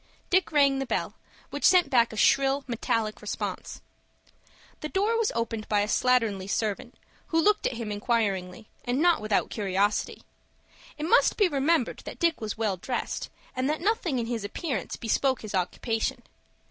Dick rang the bell, which sent back a shrill metallic response. The door was opened by a slatternly servant, who looked at him inquiringly, and not without curiosity. It must be remembered that Dick was well dressed, and that nothing in his appearance bespoke his occupation.